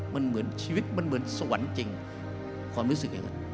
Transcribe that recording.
มันเหมือนชีวิตมันเหมือนสวรรค์จริงความรู้สึกอย่างนั้น